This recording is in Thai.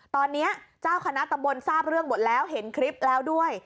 ตอนนี้เจ้าคณะตำบลทราบเรื่องหมดแล้วเห็นคลิปแล้วด้วย